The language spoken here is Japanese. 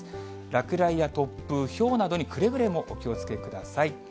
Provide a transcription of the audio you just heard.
落雷や突風、ひょうなどにくれぐれもお気をつけください。